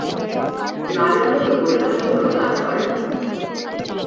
নারী আন্দোলন গড়ে তোলার জন্য কাজ করেন।